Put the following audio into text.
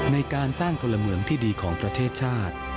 ในการสร้างพลเมืองที่ดีของประเทศชาติ